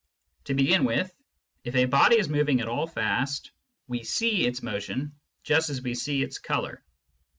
To begin with, if a body is moving at all fast, we see its motion just as we see its colour.